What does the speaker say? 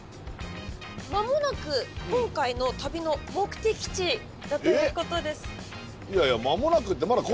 間もなく今回の旅の目的地だということです。